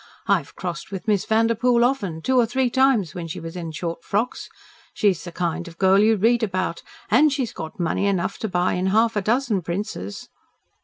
"I've crossed with Miss Vanderpoel often, two or three times when she was in short frocks. She's the kind of girl you read about. And she's got money enough to buy in half a dozen princes."